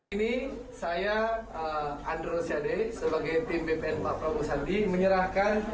ini saya andre rosiade sebagai tim bpn pak prabowo sandi menyerahkan